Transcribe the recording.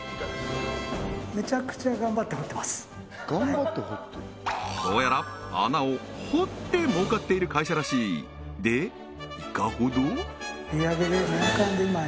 はいどうやら穴を掘って儲かっている会社らしいでいかほど？